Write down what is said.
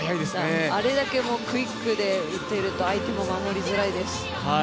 あれだけクイックで打てると相手も守りづらいです。